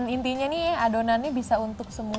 intinya nih adonannya bisa untuk semua